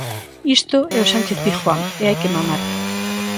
Isto é o Sánchez-Pizjuán e hai que mamar.